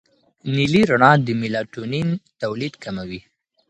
نیلي رڼا د میلاټونین تولید کموي.